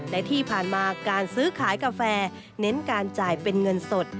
และที่ผ่านมาการซื้อขายกาแฟเน้นการจ่ายเป็นเงินสด